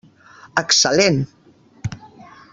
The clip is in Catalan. Excel·lent!